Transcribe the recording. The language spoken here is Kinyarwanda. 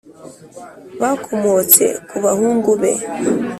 Bakomotse ku bahungu be